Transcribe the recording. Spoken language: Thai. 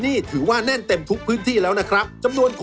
พี่แจ็คได้ไหมพี่แจ็คพี่แจ็ค